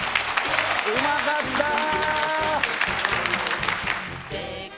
うまかったー！